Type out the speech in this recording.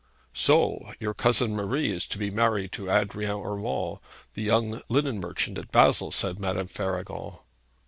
'So your cousin Marie is to be married to Adrian Urmand, the young linen merchant at Basle,' said Madame Faragon.